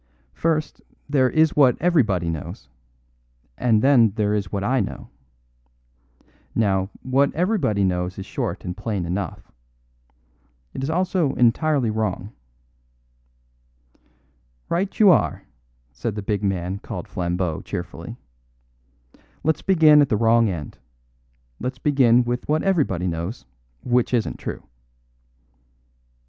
"First there is what everybody knows; and then there is what I know. Now, what everybody knows is short and plain enough. It is also entirely wrong." "Right you are," said the big man called Flambeau cheerfully. "Let's begin at the wrong end. Let's begin with what everybody knows, which isn't true."